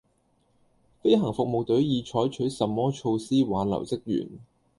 飛行服務隊已採取甚麼措施挽留職員